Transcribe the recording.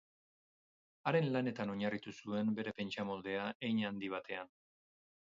Haren lanetan oinarritu zuen bere pentsamoldea hein handi batean.